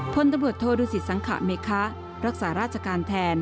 พลตำรวจโทดูสิตสังขเมคะรักษาราชการแทน